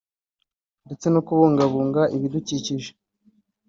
ndetse no kubungabunga ibidukikije